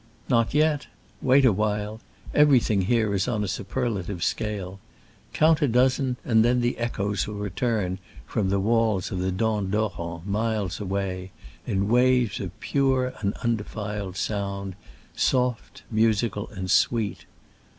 Not yet : wait a while — every thing here is upon a superlative scale : count a dozen and then the echoes will return from the walls of the Dent d'Herens, miles away, in waves of pure and undefiled sound, soft, musical and sweet.